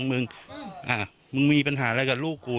มึงมึงมีปัญหาอะไรกับลูกกู